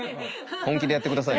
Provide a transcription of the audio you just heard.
本気でやって下さい。